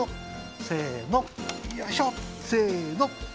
せの！